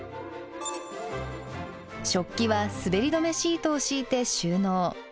食器はすべり止めシートを敷いて収納。